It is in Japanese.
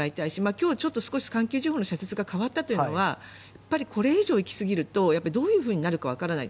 今日、ちょっと少し環球時報の社説が変わったというのはこれ以上行きすぎるとどういうふうになるかわからない。